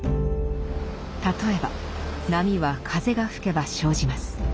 例えば波は風が吹けば生じます。